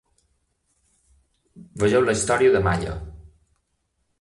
Vegeu la història de Malle.